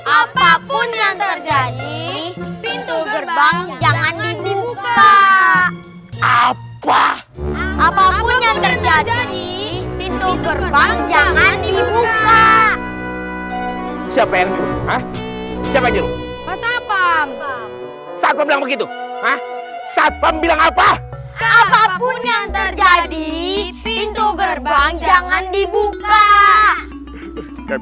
apapun yang terjadi pintu gerbang jangan dibuka apa apapun yang terjadi pintu gerbang jangan dibuka